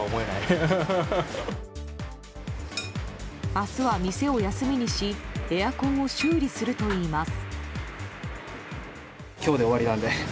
明日は店を休みにしエアコンを修理するといいます。